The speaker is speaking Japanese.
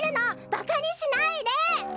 ばかにしないで！